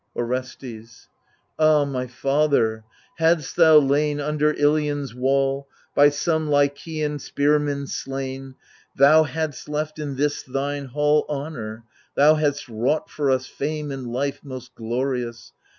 Orestes Ah my father ! hadst thou lain Under Ilion's wall. By some Lycian spearman slain. Thou hadst left in this thine hall Honour ; thou hadst wrought for us Fame and life most glorious.